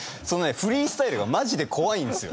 フリースタイルがマジで怖いんですよ。